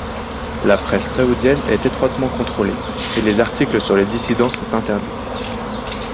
La presse saoudienne est étroitement contrôlée et les articles sur les dissidents sont interdits.